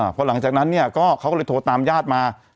เพราะหลังจากนั้นอะไรหลุดถามย่ามา